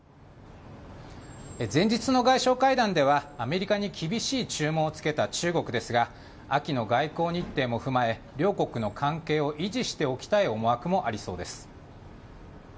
前日の外相会談では、アメリカに厳しい注文をつけた中国ですが、秋の外交日程も踏まえ、両国の関係を維持しておきたい思惑もありそうです。